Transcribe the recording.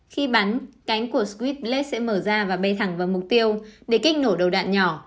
khi bắn cánh của squit black sẽ mở ra và bay thẳng vào mục tiêu để kích nổ đầu đạn nhỏ